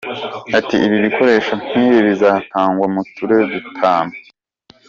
Ati” Ibikoresho nk’ibi bizatangwa mu turere dutanu.